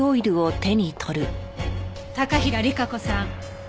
高平理香子さん